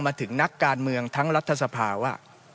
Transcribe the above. มาถึงนักการเมืองทั้งรัฐสภาว่า